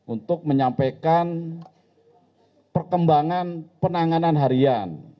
untuk menyampaikan perkembangan penanganan harian